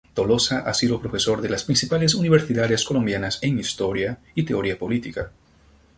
Toloza ha sido profesor de las principales universidades colombianas en Historia y Teoría Política.